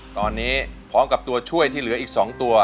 ตอนนี้พร้อมกับตัวช่วยที่เหลืออีก๒ตัว